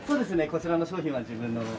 こちらの商品は自分の。